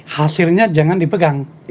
hasilnya jangan dipegang